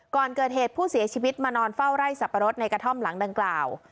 ก่อนเกิดเหตุผู้เสียชีวิตมานอนเฝ้าไร่สับปะรดในกระท่อมหลังดังกล่าว